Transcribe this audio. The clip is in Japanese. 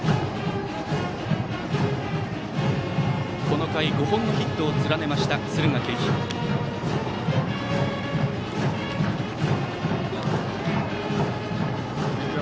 この回５本のヒットを連ねました敦賀気比。